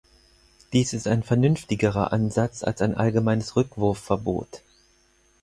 Dies ist ein vernünftigerer Ansatz als ein allgemeines Rückwurfverbot.